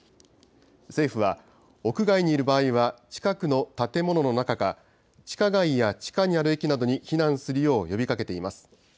政府は、屋外にいる場合は、近くの建物の中か、地下街や地下にある駅などに避難するよう呼びかけています。